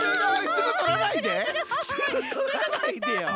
すぐとらないでよ！